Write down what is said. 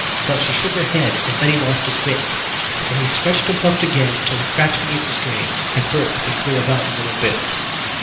But she shook her head. And then he lost his wits. For he stretched and puffed again Till he cracked beneath the strain, And burst, and flew about in little bits.